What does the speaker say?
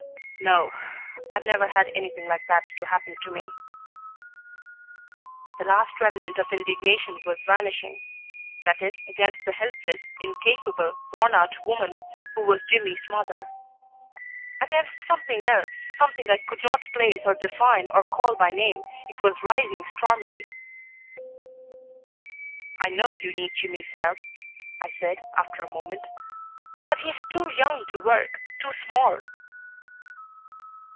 "No, I've never had anything like that to happen to me." The last remnant of indignation was vanishing. That is, against the helpless, incapable, worn out woman who was Jimmy's mother. Against something else, something I could not place or define or call by name, it was rising stormily. "I know you need Jimmy's help," I said, after a moment, "but he is too young to work, too small."